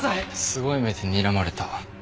すごい目でにらまれた。